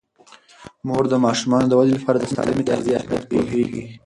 مور د ماشومانو د ودې لپاره د سالمې تغذیې اهمیت پوهیږي.